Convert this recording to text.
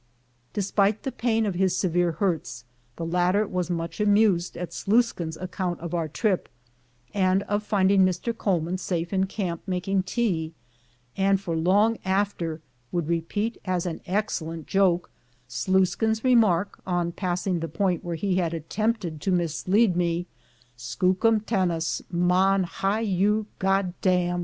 Despite the pain of his severe hurts, the latter was much amused at ISluiskin's account of our trip, and of finding Mr. Coleman safe in camp making tea, and for long after would repeat as an ex cellent joke Sluiskin's remark on passmg the point where he had attempted to mislead me, "Skookum tenas man hiyu goddam.